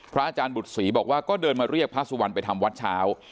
อาจารย์บุตรศรีบอกว่าก็เดินมาเรียกพระสุวรรณไปทำวัดเช้า